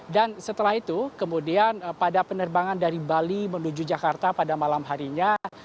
dan setelah itu kemudian pada penerbangan dari bali menuju jakarta pada malam harinya